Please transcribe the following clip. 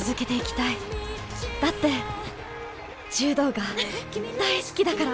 だって柔道が大好きだから